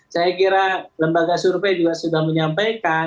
saya kira lembaga survei juga sudah menyampaikan